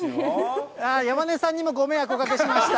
山根さんにもご迷惑おかけしました。